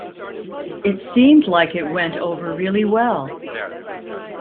It seemed like it went over really well.